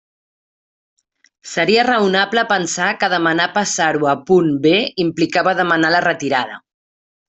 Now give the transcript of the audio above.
Seria raonable pensar que demanar passar-ho a punt B implicava demanar la retirada.